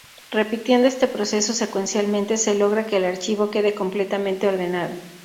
Repitiendo este proceso secuencialmente, se logra que el archivo quede completamente ordenado.